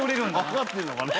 分かってるのかね。